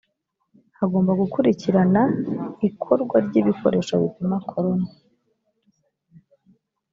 hagomba gukurikirana ikorwa ry ibikoresho bipima corona